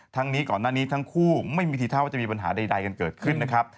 นี้ก่อนหน้านี้ทั้งคู่ไม่มีทีท่าว่าจะมีปัญหาใดกันเกิดขึ้นนะครับ